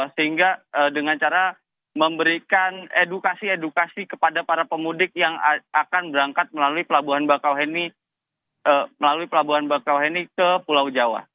sehingga dengan cara memberikan edukasi edukasi kepada para pemudik yang akan berangkat melalui pelabuhan bakauheni melalui pelabuhan bakauheni ke pulau jawa